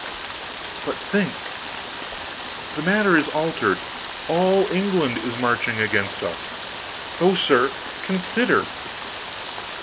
But think! the matter is altered All England is marching against us! Oh, sir, consider!